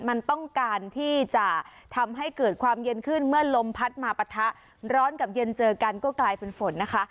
มันต้องการที่จะทำให้เกิดความเย็นขึ้นเมื่อลมพัดมาปะทะร้อนกับเย็นเจอกันก็กลายเป็นฝนนะคะ